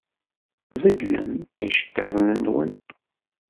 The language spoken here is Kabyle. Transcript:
Beddlem iceṭṭiḍen-nwen!